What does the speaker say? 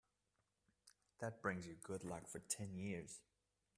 That brings you good luck for ten years.